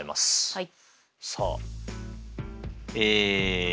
はい。